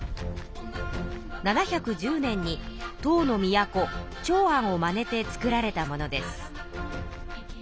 ７１０年に唐の都長安をまねてつくられたものです。